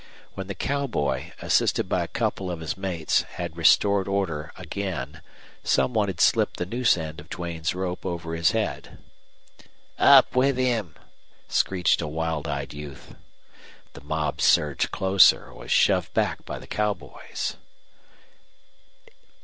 When the cowboy, assisted by a couple of his mates, had restored order again some one had slipped the noose end of Duane's rope over his head. "Up with him!" screeched a wild eyed youth. The mob surged closer was shoved back by the cowboys.